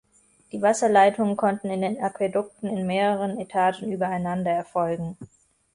Die Wasserleitungen konnten in den Aquädukten in mehreren Etagen übereinander erfolgen.